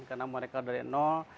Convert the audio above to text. karena mereka dari nol